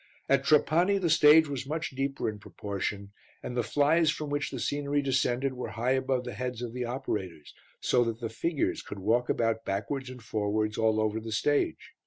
At Trapani the stage was much deeper in proportion, and the flies from which the scenery descended were high above the heads of the operators, so that the figures could walk about backwards and forwards all over the stage.